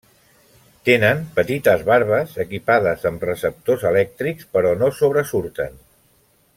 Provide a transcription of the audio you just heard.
Tenen petites barbes equipades amb receptors elèctrics, però no sobresurten.